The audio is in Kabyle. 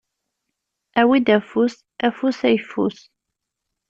Awi-d afus, afus ayffus.